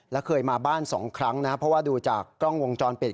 และเคยมาบ้าน๒ครั้งนะครับเพราะว่าดูจากกล้องวงจรปิด